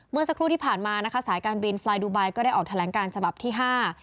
เมื่อสักครู่ที่ผ่านมานะคะสายการบินไฟล์ดูไบก็ได้ออกแถลงการฉบับที่ห้า